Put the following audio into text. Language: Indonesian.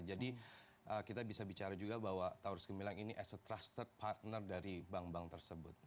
jadi kita bisa bicara juga bahwa taurus gemilang ini as a trusted partner dari bank bank tersebut